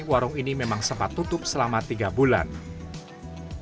setelah buka kembali bu eha bersikuku untuk selalu datang ke warung seperti yang pernah ilang